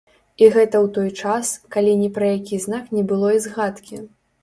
І гэта ў той час, калі ні пра які знак не было і згадкі.